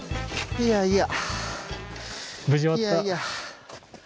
いやいや。